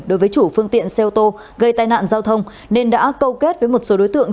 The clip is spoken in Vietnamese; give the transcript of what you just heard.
đối với chủ phương tiện xe ô tô gây tai nạn giao thông nên đã câu kết với một số đối tượng